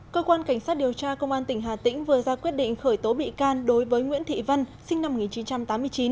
cơ quan cảnh sát điều tra công an tỉnh hà tĩnh vừa ra quyết định khởi tố bị can đối với nguyễn thị vân sinh năm một nghìn chín trăm tám mươi chín